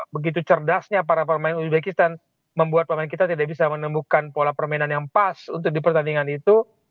begitu cerdasnya para pemain uzbekistan membuat pemain kita tidak bisa menemukan pola permainan yang pas untuk di pertandingan itu